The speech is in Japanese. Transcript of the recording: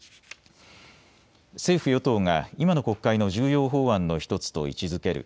政府与党が今の国会の重要法案の１つと位置づける